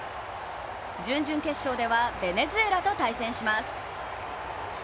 準々決勝ではベネズエラと対戦します。